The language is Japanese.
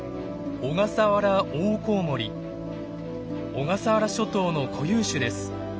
小笠原諸島の固有種です。